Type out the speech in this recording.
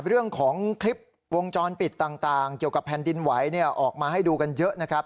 เรื่องของคลิปวงจรปิดต่างเกี่ยวกับแผ่นดินไหวออกมาให้ดูกันเยอะนะครับ